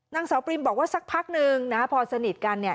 นางเสาปรีมบอกว่าสักพักหนึ่งพอสนิทกัน